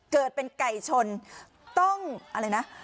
เกิดเป็นไก่ชนต้องอะไรนะ